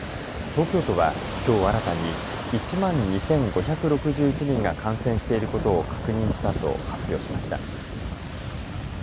東京都はきょう新たに１万２５６１人が感染していることを確認したと発表しました。